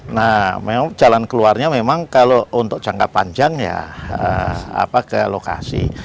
nah memang jalan keluarnya memang kalau untuk jangka panjang ya ke lokasi